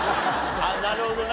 なるほどな。